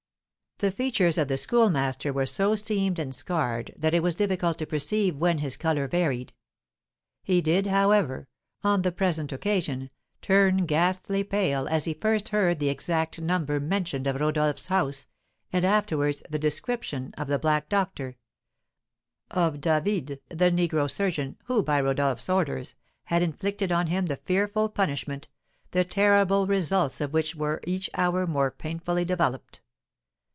The features of the Schoolmaster were so seamed and scarred that it was difficult to perceive when his colour varied. He did, however, on the present occasion, turn ghastly pale as he first heard the exact number mentioned of Rodolph's house, and afterwards the description of the black doctor, of David, the negro surgeon, who, by Rodolph's orders, had inflicted on him the fearful punishment, the terrible results of which were each hour more painfully developed.